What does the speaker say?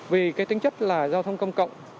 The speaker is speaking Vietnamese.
vì tính chất là giao thông công cộng